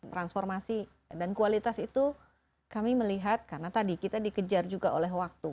transformasi dan kualitas itu kami melihat karena tadi kita dikejar juga oleh waktu